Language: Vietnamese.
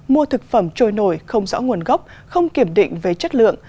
mua thực phẩm trôi nổi không rõ nguồn gốc không kiểm định về chất lượng